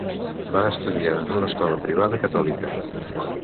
Va estudiar en una escola privada catòlica.